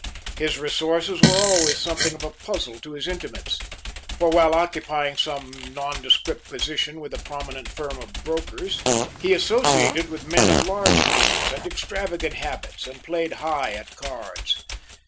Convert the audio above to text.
His resources were always something of a puzzle to his intimates, for while occupying some nondescript position with a prominent firm of brokers, he associated with men of large means and extravagant habits and played high at cards.